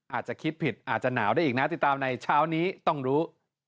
อาจจะคิดผิดอาจจะหนาวได้อีกนะติดตามในเช้านี้ต้องรู้